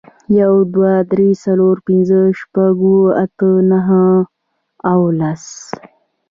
یو، دوه، درې، څلور، پینځه، شپږ، اووه، اته، نهه او لس